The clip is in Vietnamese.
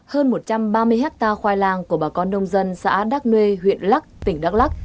hơn một trăm ba mươi hectare khoai lang của bà con nông dân xã đắc nuê huyện lắc tỉnh đắc lắc